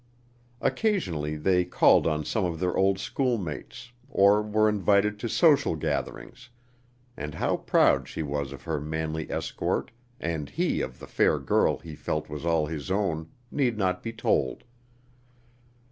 Occasionally they called on some of their old schoolmates, or were invited to social gatherings, and how proud she was of her manly escort, and he of the fair girl he felt was all his own, need not be told.